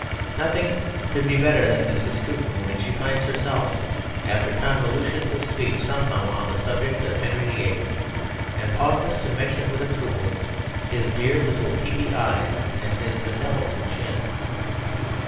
Nothing could be better than Mrs. Skewton when she finds herself, after convolutions of speech, somehow on the subject of Henry VIII., and pauses to mention with approval "his dear little peepy eyes and his benevolent chin."